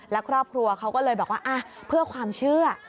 แล้วครอบครัวเขาก็เลยบอกว่าเพื่อความเชื่อ